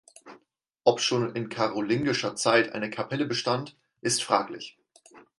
Ob schon in karolingischer Zeit eine Kapelle bestand, ist fraglich.